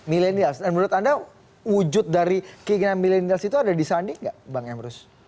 milenials dan menurut anda wujud dari keinginan milenials itu ada di sandi nggak bang emrus